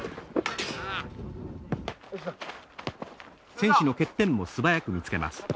選手の欠点も素早く見つけます。